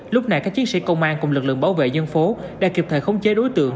lúc này các chiến sĩ công an cùng lực lượng bảo vệ dân phố đã kịp thời khống chế đối tượng